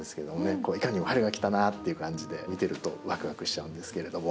こういかにも春が来たなっていう感じで見てるとわくわくしちゃうんですけれども。